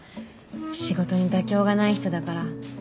仕事に妥協がない人だから。